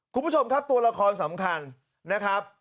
คุณผู้ชมครับตัวละครสำคัญนะครับ